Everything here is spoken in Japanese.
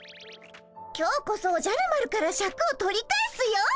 今日こそおじゃる丸からシャクを取り返すよ。